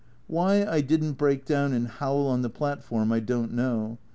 Why I didn't break down and howl on the platform I don't know.